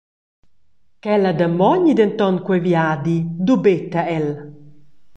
Ch’ella damogni denton quei viadi dubeta el.